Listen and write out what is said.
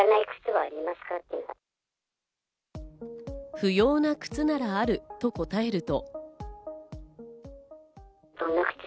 「不要な靴ならある」と答えると。